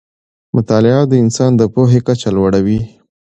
مطالعه د انسان د پوهې کچه لوړه وي